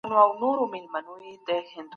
آيا پوهېږې چي صليبي جنګونه ولي پيل سول؟